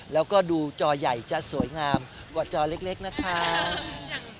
แล้วก็ดูจอใหญ่จะสวยงามกว่าจอเล็กเล็กนะคะอย่างกระแสเรื่อง